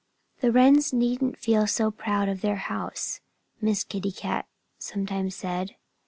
"The Wrens needn't feel so proud of their house," Miss Kitty Cat sometimes said.